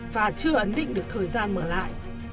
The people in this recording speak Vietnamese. và chưa ấn định được thời gian mở lại